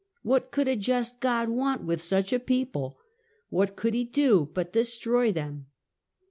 What could a just God want with such a people? What could he do but destroy them?